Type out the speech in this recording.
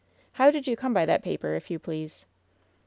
How did you come by that paper, if you please